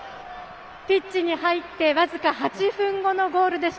ピッチに入って僅か８分後のゴールでした。